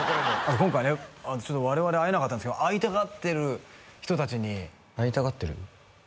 今回ねちょっと我々会えなかったんですけど会いたがってる人達に会いたがってる？